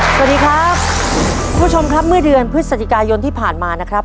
สวัสดีครับคุณผู้ชมครับเมื่อเดือนพฤศจิกายนที่ผ่านมานะครับ